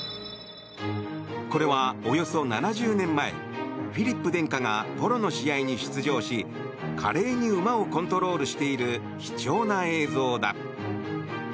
これは、およそ７０年前フィリップ殿下がポロの試合に出場し華麗に馬をコントロールしている貴重な映像だ。